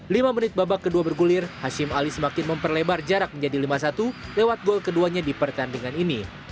lima menit babak kedua bergulir hashim ali semakin memperlebar jarak menjadi lima satu lewat gol keduanya di pertandingan ini